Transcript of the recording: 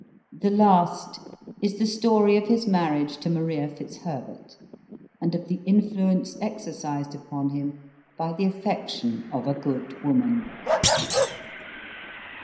The last is the story of his marriage to Maria Fitzherbert, and of the influence exercised upon him by the affection of a good woman.